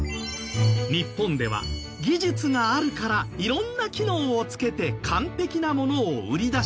日本では技術があるから色んな機能をつけて完璧なものを売り出しがち。